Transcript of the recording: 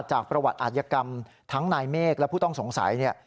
จากประวัติอาจยกรรมทั้งนายเมฆและผู้ต้องสงสัยเนี่ย